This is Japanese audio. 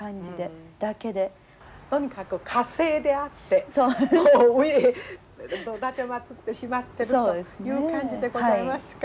とにかく歌聖であって上へおだてまつってしまってるという感じでございますか。